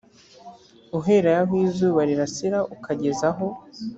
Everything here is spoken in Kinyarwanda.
uhereye aho izuba rirasira ukageza aho